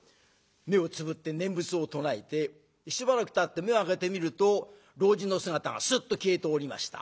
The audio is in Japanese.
目をつぶって念仏を唱えてしばらくたって目を開けてみると老人の姿がすっと消えておりました。